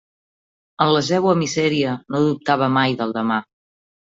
En la seua misèria, no dubtava mai del demà.